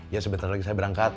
ya sebentar lagi saya berangkat